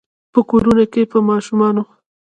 په کورونو کې به ماشومانو،